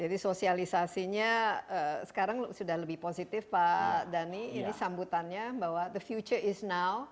jadi sosialisasinya sekarang sudah lebih positif pak dhani ini sambutannya bahwa the future is now